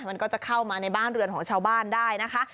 มันก็จะเข้ามาในบ้านเรือนของชาวบ้านได้นะคะ